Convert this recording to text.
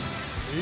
え！